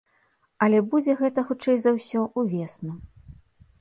Але будзе гэта, хутчэй за ўсё, ўвесну.